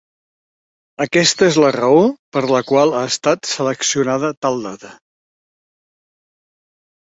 Aquesta és la raó per la qual ha estat seleccionada tal data.